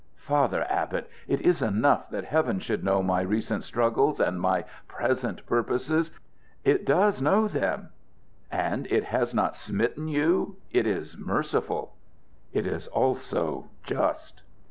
"Father Abbot, it is enough that Heaven should know my recent struggles and my present purposes. It does know them." "And it has not smitten you? It is merciful." "It is also just."